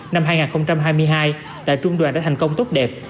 năm hai nghìn hai mươi hai tại trung đoàn đã thành công tốt đẹp